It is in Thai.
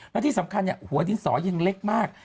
และที่สำคัญหัวดินสอยังเล็กมาก